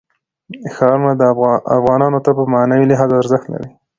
ښارونه افغانانو ته په معنوي لحاظ ارزښت لري.